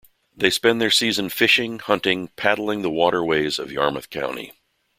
They spend their season fishing, hunting, paddling the water ways of Yarmouth County.